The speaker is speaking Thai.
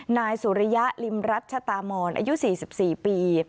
นายสุริยะริมรัชตามอนอายุ๔๔ปี